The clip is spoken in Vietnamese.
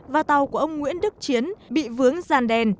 và tàu của ông nguyễn đức chiến bị vướng gian đèn